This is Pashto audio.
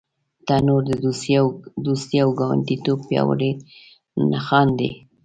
تنور د دوستۍ او ګاونډیتوب پیاوړی نښان دی